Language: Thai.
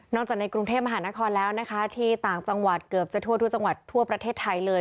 จากในกรุงเทพมหานครแล้วนะคะที่ต่างจังหวัดเกือบจะทั่วทุกจังหวัดทั่วประเทศไทยเลย